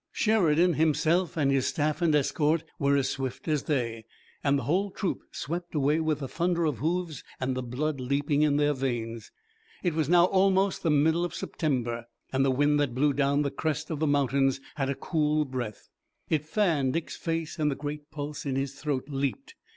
Sheridan himself and his staff and escort were as swift as they, and the whole troop swept away with a thunder of hoofs and the blood leaping in their veins. It was now almost the middle of September, and the wind that blew down from the crest of the mountains had a cool breath. It fanned Dick's face and the great pulse in his throat leaped.